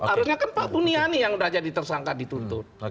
harusnya kan pak buniani yang sudah jadi tersangka dituntut